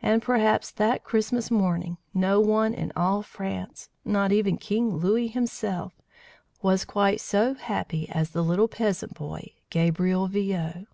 And perhaps that Christmas morning no one in all France, not even King Louis himself, was quite so happy as the little peasant boy, Gabriel Viaud.